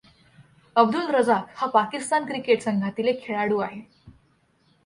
अब्दुल रझाक हा पाकिस्तान क्रिकेट संघातील एक खेळाडू आहे.